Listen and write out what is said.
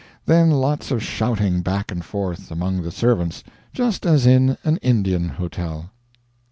Then lots of shouting back and forth, among the servants just as in an Indian hotel.